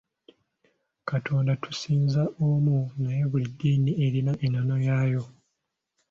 Katonda tusinza omu naye buli ddiini erina ennono yaayo.